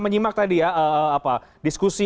menyimak tadi ya diskusi